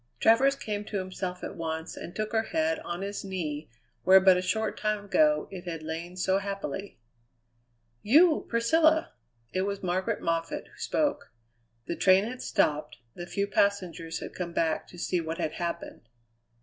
Travers came to himself at once, and took her head on his knee where but a short time ago it had lain so happily. "You, Priscilla!" It was Margaret Moffatt who spoke. The train had stopped; the few passengers had come back to see what had happened.